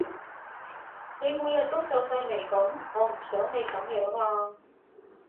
你每日都皺晒眉噉，我唔想你噉樣呀